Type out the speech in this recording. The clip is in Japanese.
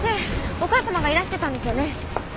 お母様がいらしてたんですよね？